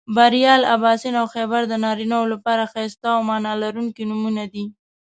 بریال، اباسین او خیبر د نارینهٔ و لپاره ښایسته او معنا لرونکي نومونه دي